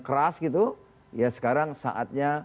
keras gitu ya sekarang saatnya